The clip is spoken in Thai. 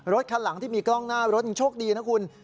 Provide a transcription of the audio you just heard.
คันหลังที่มีกล้องหน้ารถยังโชคดีนะคุณ